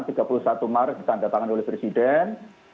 sekarang tiga puluh satu maret ditandatangan oleh presiden